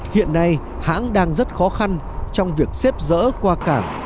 hiện nay hãng đang rất khó khăn trong việc xếp dỡ qua cảng